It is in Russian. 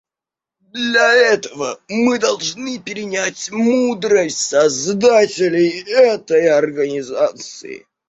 Для этого мы должны перенять мудрость создателей этой Организации.